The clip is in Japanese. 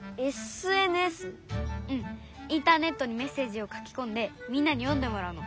うんインターネットにメッセージを書きこんでみんなに読んでもらうの。